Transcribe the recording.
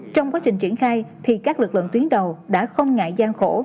trong quá trình triển khai thì các lực lượng tuyến đầu đã không ngại gian khổ